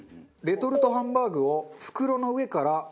レトルトハンバーグを袋の上から細かく潰します。